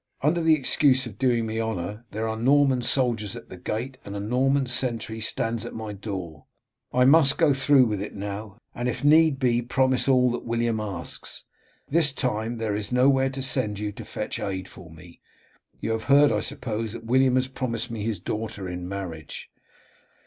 Under the excuse of doing me honour, there are Norman soldiers at the gate, and a Norman sentry stands at my door. I must go through with it now, and if need be promise all that William asks. This time there is nowhere to send you to fetch aid for me. You have heard, I suppose, that William has promised me his daughter in marriage?"